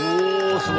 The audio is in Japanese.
お！